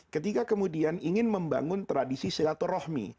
ketika kemudian ingin membangun tradisi silaturahmi